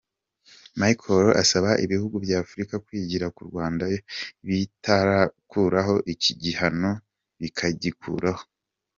Michel asaba ibihugu by'Afurika kwigira ku Rwanda ibitarakuraho iki gihano bikagikuraho.